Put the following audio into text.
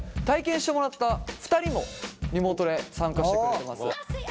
体験してもらった２人もリモートで参加してくれてます。